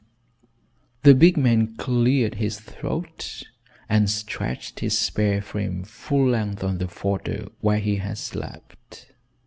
The big man cleared his throat and stretched his spare frame full length on the fodder where he had slept.